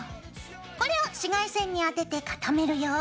これを紫外線に当てて固めるよ。